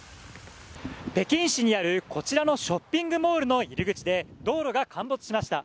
北京市にあるこちらのショッピングモールの入り口で道路が陥没しました。